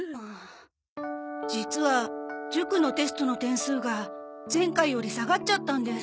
実は塾のテストの点数が前回より下がっちゃったんです。